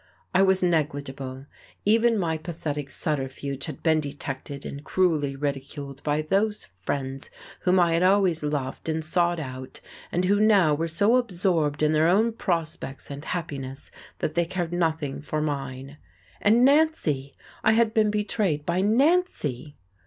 I was negligible, even my pathetic subterfuge had been detected and cruelly ridiculed by these friends whom I had always loved and sought out, and who now were so absorbed in their own prospects and happiness that they cared nothing for mine. And Nancy! I had been betrayed by Nancy!...